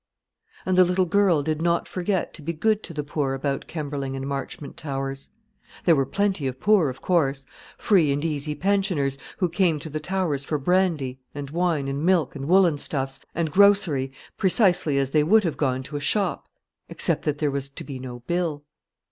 And the little girl did not forget to be good to the poor about Kemberling and Marchmont Towers. There were plenty of poor, of course free and easy pensioners, who came to the Towers for brandy, and wine, and milk, and woollen stuffs, and grocery, precisely as they would have gone to a shop, except that there was to be no bill.